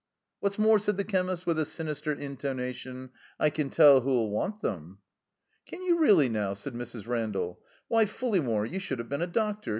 "What's more," said the chemist, with a sinister intonation, "I can tell who'll want 'em." "Can you redly now?" said Mrs. Randall. "Why, Fulleymore, you should have been a doctor.